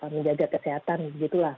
menjaga kesehatan gitu lah